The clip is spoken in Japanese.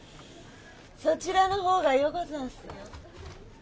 ・そちらの方がようござんすよ。